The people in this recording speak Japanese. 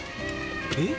えっ？